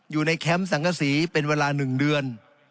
อยู่ในแคมป์สังศักดิ์ศรีเป็นเวลา๑เดือน